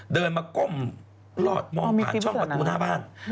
เดินมาก้มรอดมองผ่านช่องประตูหน้าบ้าน